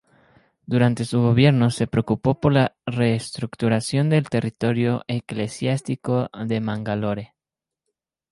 Durante su gobierno se preocupó por la reestructuración del territorio eclesiástico de Mangalore.